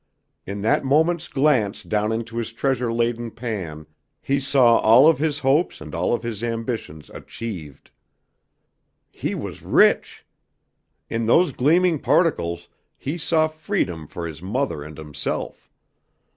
In that moment's glance down into his treasure laden pan he saw all of his hopes and all of his ambitions achieved. He was rich! In those gleaming particles he saw freedom for his mother and himself.